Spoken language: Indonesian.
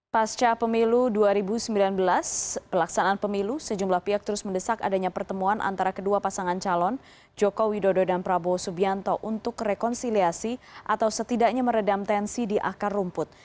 pasca pemilu dua ribu sembilan belas pelaksanaan pemilu sejumlah pihak terus mendesak adanya pertemuan antara kedua pasangan calon joko widodo dan prabowo subianto untuk rekonsiliasi atau setidaknya meredam tensi di akar rumput